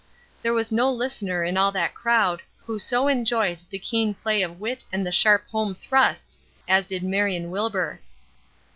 There was no listener in all that crowd who so enjoyed the keen play of wit and the sharp home thrusts as did Marion Wilbur.